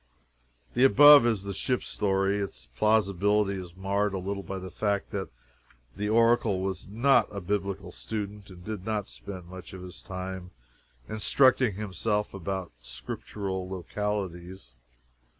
The above is the ship story. Its plausibility is marred a little by the fact that the Oracle was not a biblical student, and did not spend much of his time instructing himself about Scriptural localities.